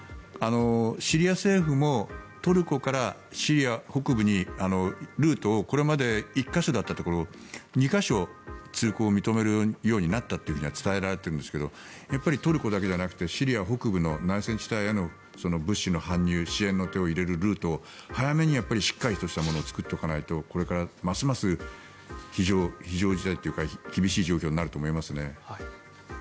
シリア政府も、トルコからシリア北部にルートをこれまで１か所だったところを２か所、通行を認めるようになったとは伝えられているんですがトルコだけじゃなくてシリアの内戦地帯にも物資の搬入支援の手を入れるルートを早めにしっかりとしたものを作っておかないとこれからますます非常事態というか厳しい状況になると思います。